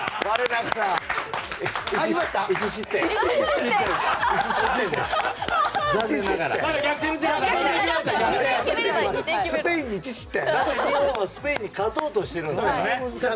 だって、日本はスペインに勝とうとしてるんですから。